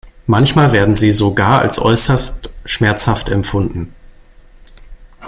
Manchmal werden sie sogar als äußerst schmerzhaft empfunden.